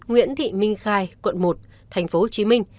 nguyễn thị minh khai quận một tp hcm